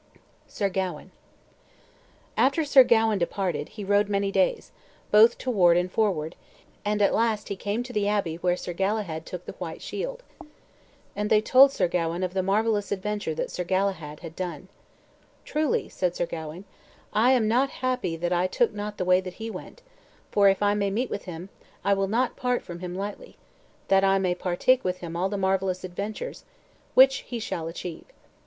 SIR GAWAIN After Sir Gawain departed, he rode many days, both toward and forward, and at last he came to the abbey where Sir Galahad took the white shield. And they told Sir Gawain of the marvellous adventure that Sir Galahad had done. "Truly," said Sir Gawain, "I am not happy that I took not the way that he went, for, if I may meet with him, I will not part from him lightly, that I may partake with him all the marvellous adventures which he shall achieve."